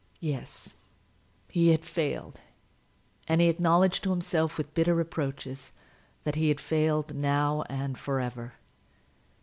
Yes; he had failed: and he acknowledged to himself, with bitter reproaches, that he had failed, now and for ever.